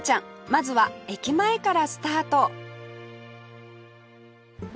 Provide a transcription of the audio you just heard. まずは駅前からスタート